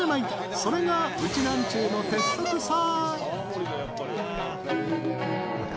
それがウチナンチューの鉄則さー。